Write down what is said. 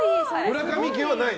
村上家はない？